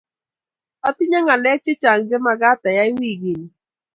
atinye ngalek chechang chemagat ayay wiikit ni